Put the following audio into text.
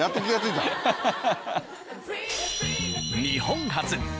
日本初！